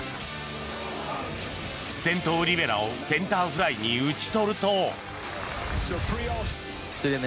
先頭、リベラをセンターフライに打ち取ると。